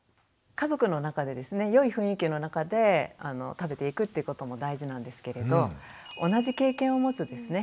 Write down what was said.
家族の中でですね良い雰囲気の中で食べていくっていうことも大事なんですけれど同じ経験を持つですね